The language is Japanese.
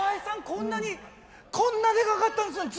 こんなにこんなでかかったんですね